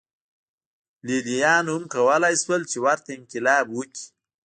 لېلیانو هم کولای شول چې ورته انقلاب وکړي.